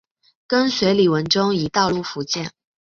跟随李文忠一道入福建。